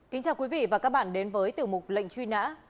kính chào quý vị và các bạn đến với tiểu mục lệnh truy nã